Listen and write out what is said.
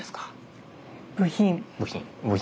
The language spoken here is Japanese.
部品。